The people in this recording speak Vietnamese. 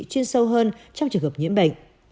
chuyên sâu hơn trong trường hợp nhiễm bệnh